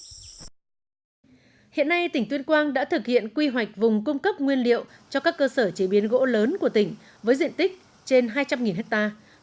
hiện nay tỉnh tuyên quang đã thực hiện quy hoạch vùng cung cấp nguyên liệu cho các cơ sở chế biến gỗ lớn của tỉnh với diện tích trên hai trăm linh hectare